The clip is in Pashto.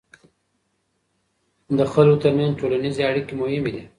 د خلکو ترمنځ ټولنیزې اړیکې مهمې دي.